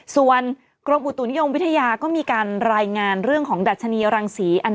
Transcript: ส่วนกรุงบุตุนิยมวิทยาก็มีการรายงานเรื่องของ